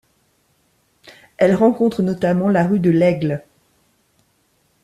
Elle rencontre notamment la rue de l'Aigle.